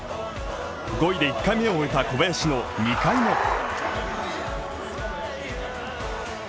５位で１回目を終えた小林の２回目。